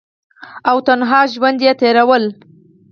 او تنها ژوند ئې تيرولو ۔